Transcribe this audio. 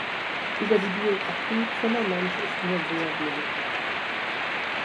Über die Biographie Zimmermanns ist nur sehr wenig bekannt.